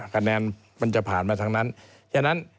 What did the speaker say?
คะแนนมันจะผ่านมาทั้งนั้น